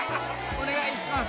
お願いします！